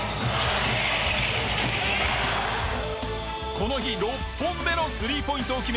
この日６本目のスリーポイントを決め